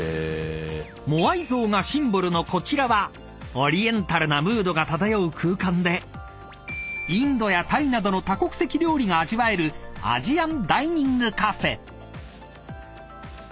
［モアイ像がシンボルのこちらはオリエンタルなムードが漂う空間でインドやタイなどの多国籍料理が味わえるアジアンダイニングカフェ］